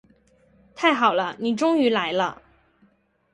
太好了，你终于来了。